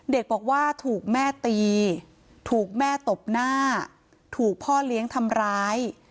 เด็กบอกว่าถูกแม่ตีถูกแม่ตบหน้าถูกพ่อเลี้ยงทำร้าย